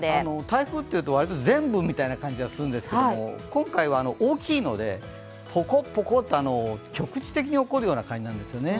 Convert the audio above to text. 台風というと割と全部みたいな感じがしますけど今回は大きいので、ぽこぽこと局地的に起こるような感じなんですよね。